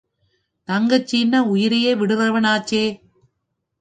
தங்கச்சின்னா உயிரையே விடுறவனாச்சே!